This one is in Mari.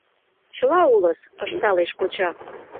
Чыла улыс, — ышталеш коча.